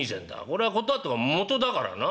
これは断っとくが元だからな？